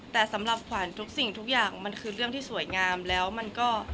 แต่สำหรับขวัญทุกสิ่งทุกอย่างมันคือเรื่องที่สวยงามแล้วมันก็